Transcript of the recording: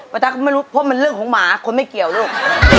ตั๊กก็ไม่รู้เพราะมันเรื่องของหมาคนไม่เกี่ยวลูก